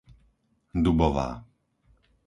Dubová